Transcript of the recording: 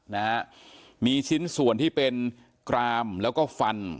นะฮะมีชิ้นส่วนที่เป็นกรามแล้วก็ฟัน